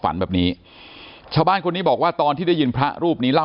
ฝันแบบนี้ชาวบ้านคนนี้บอกว่าตอนที่ได้ยินพระรูปนี้เล่า